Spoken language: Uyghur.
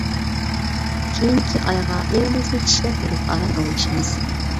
كېيىنكى ئايغا لېۋىمىزنى چىشلەپ يۈرۈپ، ئاران ئۇلىشىمىز.